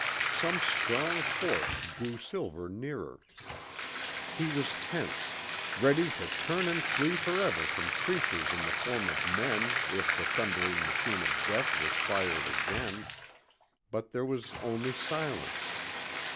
Some strong force drew Silver nearer. He was tense, ready to turn and flee forever from creatures in the form of men if the thundering machine of Death was fired again, but there was only silence.